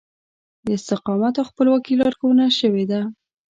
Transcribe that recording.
د استقامت او خپلواکي لارښوونه شوې ده.